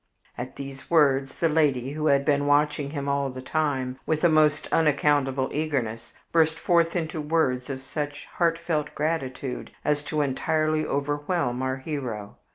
At these words the lady, who had been watching him all the time with a most unaccountable eagerness, burst forth into words of such heartfelt gratitude as to entirely overwhelm our hero.